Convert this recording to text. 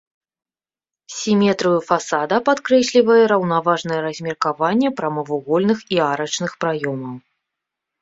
Сіметрыю фасада падкрэслівае раўнаважнае размеркаванне прамавугольных і арачных праёмаў.